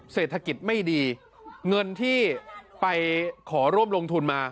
เศรษฐกิจไม่ดีเงินที่ไปขอร่วมลงทุนมา